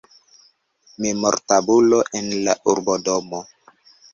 Memortabulo en la urbodomo.